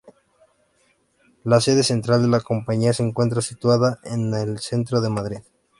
La sede central de la compañía se encuentra situada en el centro de Madrid.